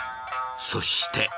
そして。